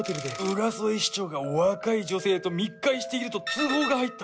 浦添市長が若い女性と密会していると通報が入った。